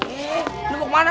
eh ini mau kemana